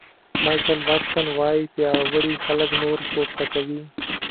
مایکل واټسن وایي پیاوړي خلک نور پورته کوي.